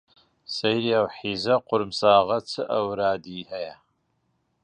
سەیری ئەو حیزە قوڕمساغە چ ئەورادی هەیە